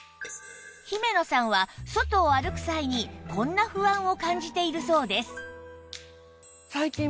姫野さんは外を歩く際にこんな不安を感じているそうです